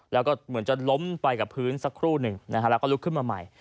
แล้วก็เหมือนจะล้มไปกับพื้นสักครู่หนึ่งนะฮะแล้วก็ลุกขึ้นมาใหม่